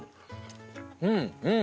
うんうん。